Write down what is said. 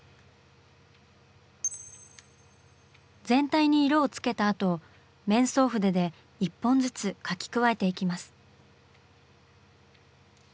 全体に色をつけたあと面相筆で１本ずつ描き加えていきます。